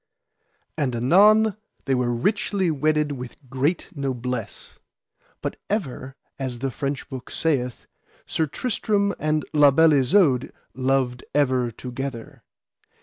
And anon they were richly wedded with great noblesse. But ever, as the French book saith, Sir Tristram and La Beale Isoud loved ever together.